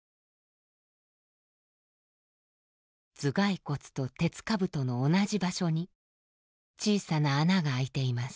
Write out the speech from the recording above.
頭蓋骨と鉄兜の同じ場所に小さな穴が開いています。